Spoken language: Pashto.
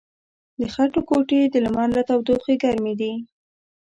د خټو کوټې د لمر له تودوخې ګرمې دي.